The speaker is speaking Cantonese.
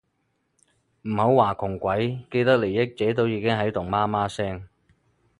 唔好話窮鬼，既得利益者都已經喺度媽媽聲